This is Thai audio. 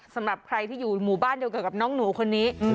สำหรับใครที่อยู่หมู่บ้านเดียวกับน้องหนูคนนี้